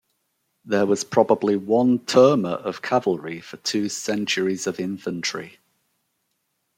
There was probably one "turma" of cavalry for two centuries of infantry.